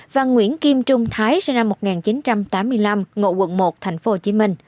và nguyễn kim trung thái sinh năm một nghìn chín trăm tám mươi năm ngụ quận một tp hcm